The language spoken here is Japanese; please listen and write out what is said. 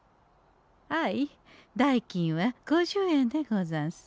あい代金は５０円でござんす。